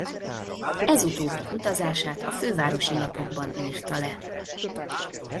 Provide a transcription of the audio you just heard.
Ez utóbbi utazását a Fővárosi Lapokban írta le.